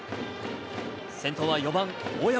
先頭は４番大山。